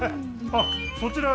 あっそちら